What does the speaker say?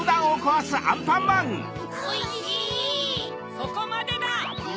そこまでだ！